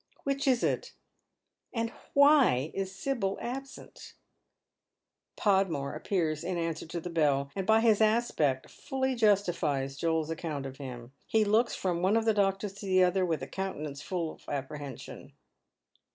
Which is it? And why is Sibyl absent ? Podmore appears in answer to the bell, and by his aspect fully justifies Joel's account of him. He looks from one of the doctors to the other with a countenance full of appreliension.